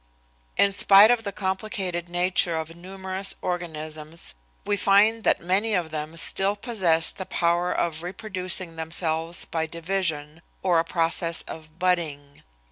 In spite of the complicated nature of numerous organisms we find that many of them still possess the power of reproducing themselves by division or a process of "budding."